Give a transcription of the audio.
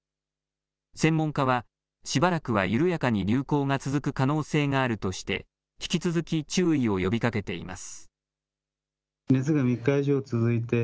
専門家は、しばらくは緩やかに流行が続く可能性があるとして、引き続き注意を呼びかけています。